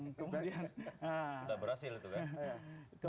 sudah berhasil itu kan